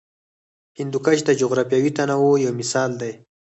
هندوکش د جغرافیوي تنوع یو مثال دی.